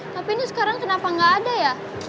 tapi ini sekarang kenapa nggak ada ya